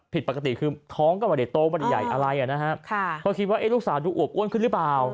พ่อคริบว่าลูกสาวดูอวบอ้วนขึ้นหรือเปล่า